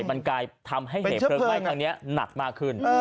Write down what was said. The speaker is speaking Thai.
มันกลายทำให้เหตุเพลิงไหม้ครั้งนี้หนักมากขึ้น